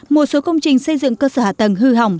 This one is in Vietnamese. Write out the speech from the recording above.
một số công trình xây dựng cơ sở hạ tầng hư hỏng